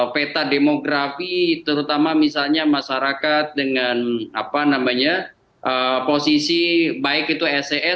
peta demografi terutama misalnya masyarakat dengan posisi baik itu ses